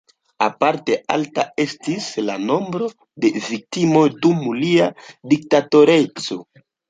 Aparte alta estis la nombro de viktimoj dum lia diktatoreco.